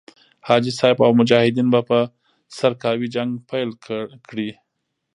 حاجي صاحب او مجاهدین به په سرکاوي جنګ پيل کړي.